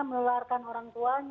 menularkan orang tuanya